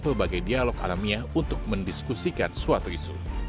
sebagai dialog alamiah untuk mendiskusikan suatu isu